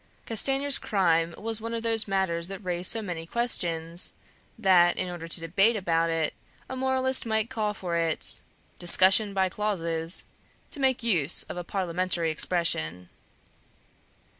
Castanier's crime was one of those matters that raise so many questions, that, in order to debate about it, a moralist might call for its "discussion by clauses," to make use of a parliamentary expression.